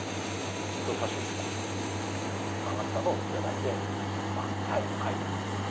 人さし指でこうやってぎゅと曲がったのを頂いてまあサインを書いてもらったんです。